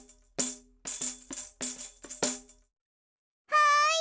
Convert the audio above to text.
はい！